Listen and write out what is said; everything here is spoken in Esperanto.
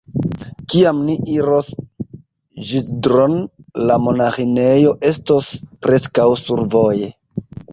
Kiam ni iros Ĵizdro'n, la monaĥinejo estos preskaŭ survoje.